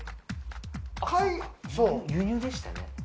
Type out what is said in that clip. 輸入でしたよね。